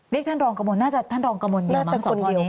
เรียกท่านรองกระโมนน่าจะท่านรองกระโมนไง